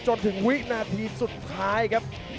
จนถึงวินาทีสุดท้ายครับ